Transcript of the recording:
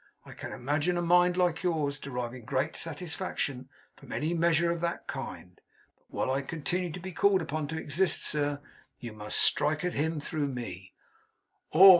I can imagine a mind like yours deriving great satisfaction from any measure of that kind. But while I continue to be called upon to exist, sir, you must strike at him through me. Awe!